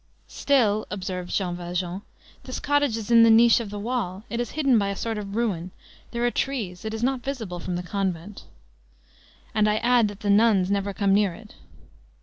"Still," observed Jean Valjean, "this cottage is in the niche of the wall, it is hidden by a sort of ruin, there are trees, it is not visible from the convent." "And I add that the nuns never come near it."